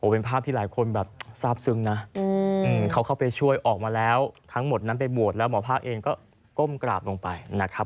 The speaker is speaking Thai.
เป็นภาพที่หลายคนแบบทราบซึ้งนะเขาเข้าไปช่วยออกมาแล้วทั้งหมดนั้นไปบวชแล้วหมอภาคเองก็ก้มกราบลงไปนะครับ